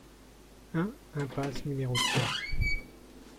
un impasse N° trois